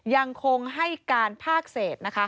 ยังคงให้การภาคเศษนะคะ